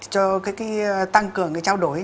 cho tăng cường trao đổi